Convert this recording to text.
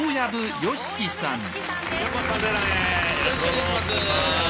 よろしくお願いします。